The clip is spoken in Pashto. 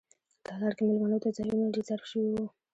تالار کې میلمنو ته ځایونه ریزرف شوي وو.